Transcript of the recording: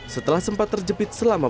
setelah sempat terjepit selama